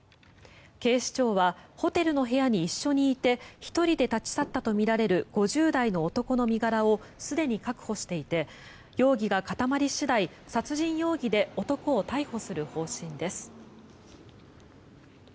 警視庁はホテルの部屋に一緒にいて１人で立ち去ったとみられる５０代の男の身柄をすでに確保していて容疑が固まり次第、殺人容疑で男を逮捕する方針です。